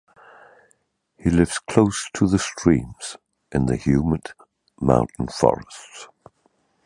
He lives close to the streams, in the humid mountain forests.